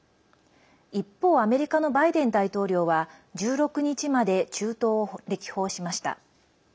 一方アメリカのバイデン大統領は１６日まで中東を歴訪しました。